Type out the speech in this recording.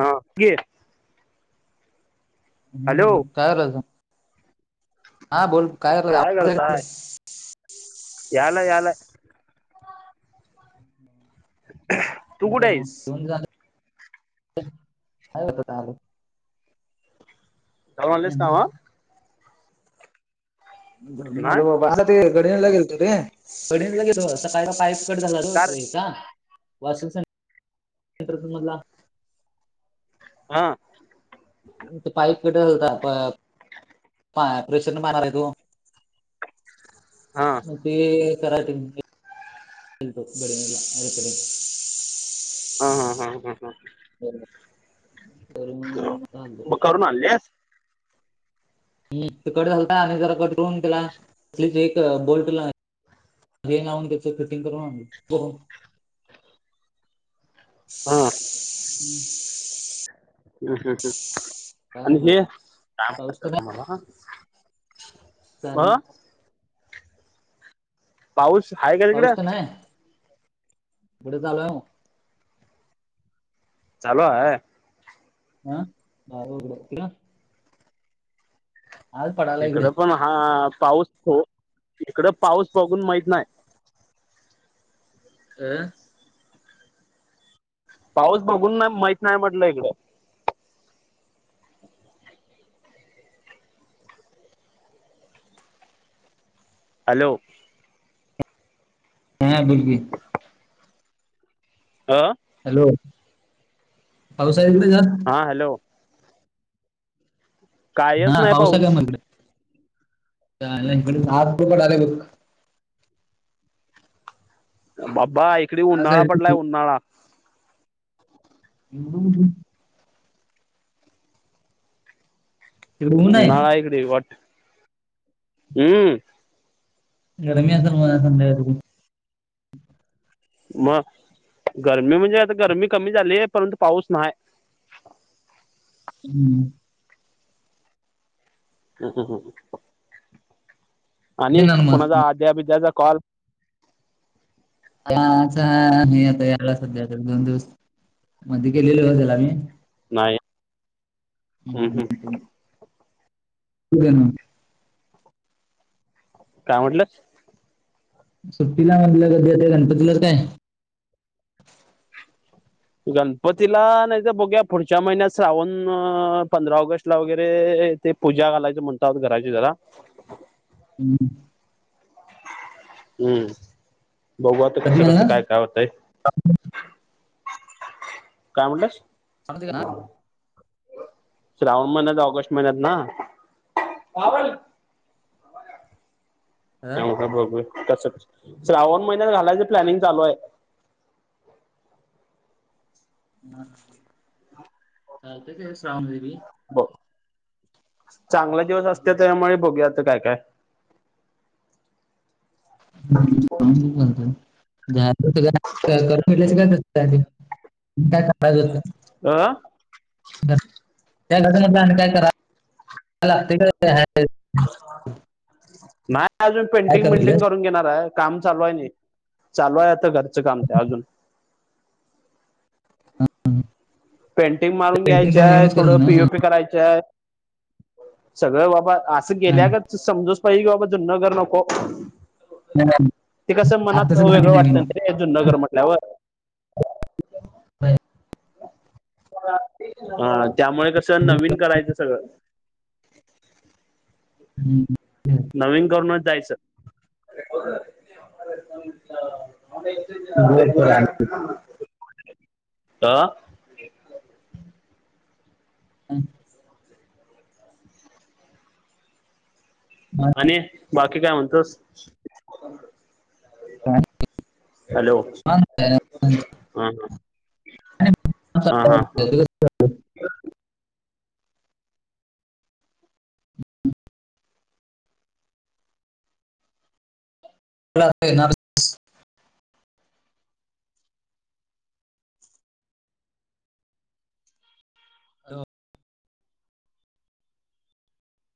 हा हॅलो हम्म काय करायचं? हां बोल! करायचं काय आवाज ऐकत नाही. करताय? यालाय यालाय! [unintelligible] आहेस [unintelligible] हम्म. [unintelligible] नाही हलो बाबा आता ते घडला लागेल त रे कडन लगे तो असता काय पाईप कट झाला त का वाशिम संेंर मधला हा पाईप कठ झालत प्रेशर मार आहे तू हा म ते ते कराटे गडला अरकडे हा हा हा हां हा ात मग करून आलेस ह् ते कट झालता आणि जरा कट करून त्याला स्लीच एक बोल्ट ला लावून त्याच फिटिंग करून आण हा हम्म ह् काय आणि हे करायचं काम पाऊस कयचं तुम्हाला सल ह पाऊस हा काय पाऊस तर नाही कढे चालू आहे म चालो आहे हा ह होगड तरा आज पडाला इकडे इकडं पण हा पाऊस हो इकड पाऊस बघून माहीत नाही अ पाऊस बघून ना माहीत नाही म्हटलं इकडें हॅलो हा बिलकुल आा हॅलो पाऊसाहेब कुठ जाात हा हॅलो कायच हा नाही पावसा काय पाऊस मगडेकडे सातू पड आहे बघ बा्बा इकडे आज उन्हाळा आहे पडलाय उन्हाळा ह ऊन आहे नायकडे वाट हम्म गरमी असेल मझ्या संध्याका मग गरमी म्हणजे आता गरमी कमी झालीय परंतु पाऊस नाही हम्म हम हम हं आणि येणार मग कोुणाचा अद्यापद्याचा कॉल हा हे आता याला सध्या दोन दिवस मध्ये केलेले हो झाल आम्ही नाही हम् हम्म होे ना काय म्हटलं सुट्टीला मण तला कधी गणपतीला काय गणपतीला नाही तर बघ्या पुढच्या महिन्यात श्रावण पंधरा ऑगस्ट ला वगैरे ते पूजा घालायच म्हणतहत घराची जरा हम् हम्म बघूता कसं कसं काय काय होतय हां काय म्हणतेस सांगते का? श्रावण महिन्यात ऑगस्ट महिन्यात ना हा. त्यामु बघू तसं [unintelligible] श्रावण महिन्यात घालायचं प्लॅनिंग चालू आहे. नात चालते का श्रावण देेवी? [unintelligible] ब चांगला दिवस असत्यात, त्यामुळे बघूयात काय काय? बत [unintelligible] करून फल्याच काय [unintelligible] ब अ [unintelligible] त्या घटा मध आणि काय करा लागते का [unintelligible] नाय अजून मी पेंटिंग बिंटिंग करून घेणार आहे. काम चालू आहे नई, चालू आहे आता घरचं काम ते अजून. पेंटिंग मारून घ्यायचीये, थोडं पीओपी करायचय, सगळे बाबा अस गेल्या गतच समजूच पाहिजे, बाबा जुन घर नको. ते कसं मनात बांधली वेगळं वाटत, नवीन ना रे जुन घर म्हटल्यावर. ह [unintelligible] हा त्यामुळे कस नवीन करायचं सगळं. हम्म. [unintelligible] नवीन करूनच जायचं. [inaudible] बरं, बरं. आलं. [inaudible] आ? ह. मग आणि बा की काय म्हणतोस? हॅलो? म [unintelligible] हा हा. हा हा हा ह [unintelligible] [inaudible] [inaudible] हॅलो?